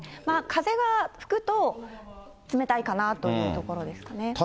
風は吹くと冷たいかなというところですね。